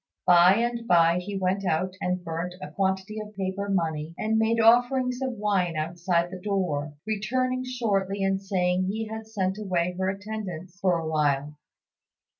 By and by he went out and burnt a quantity of paper money and made offerings of wine outside the door, returning shortly and saying he had sent away her attendants for a while.